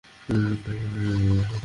কেউ তো একজন আছে, যে তাকে প্রটেক্ট করছে।